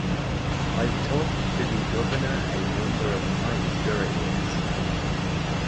I’ve talked to the Governor a number of times during this.